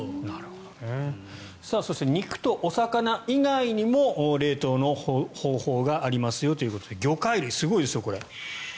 そして、肉とお魚以外にも冷凍の方法がありますよということで魚介類、すごいですよ、これ。